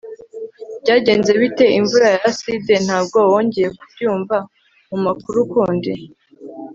Byagenze bite imvura ya aside Ntabwo wongeye kubyumva mumakuru ukundi